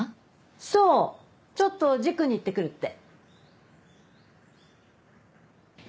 そうちょっと塾に行って来るって。